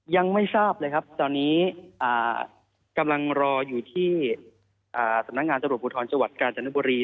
ยังไม่ทราบเลยครับตอนนี้กำลังรออยู่ที่สำนักงานตำรวจภูทรจังหวัดกาญจนบุรี